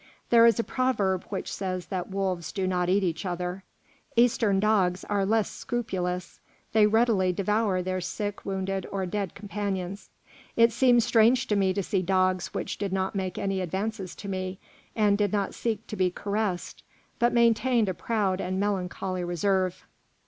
There is a proverb which says that wolves do not eat each other; Eastern dogs are less scrupulous; they readily devour their sick, wounded, or dead companions. It seemed strange to me to see dogs which did not make any advances to me, and did not seek to be caressed, but maintained a proud and melancholy reserve.